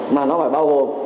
mà nó phải bao gồm